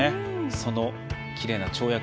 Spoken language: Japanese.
そのきれいな跳躍